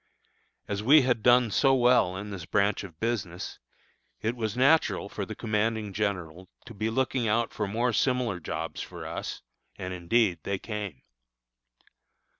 As we had done so well in this branch of business, it was natural for the commanding general to be looking out for more similar jobs for us, and, indeed, they came.